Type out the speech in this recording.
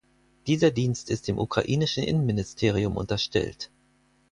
Dieser Dienst ist dem ukrainischen Innenministerium unterstellt.